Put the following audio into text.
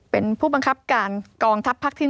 เป็นผู้บังคับการกองทัพภาคที่๑